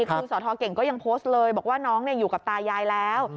คือสทเก่งก็ยังโพสต์เลยบอกว่าน้องอยู่กับตายายแล้ว